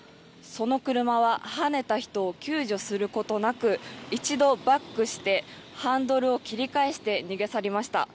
その車ははねた人を救助することなく一度、バックしてハンドルを切り返して逃げ去りました。